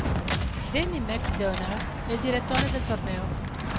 Danny McDonagh è il direttore del torneo.